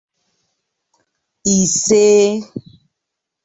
isè